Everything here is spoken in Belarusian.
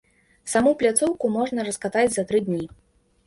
Саму пляцоўку можна раскатаць за тры дні.